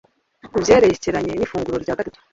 Ku byerekeranye nifunguro rya gatatu